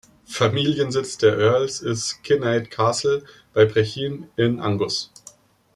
Familiensitz der Earls ist Kinnaird Castle bei Brechin in Angus.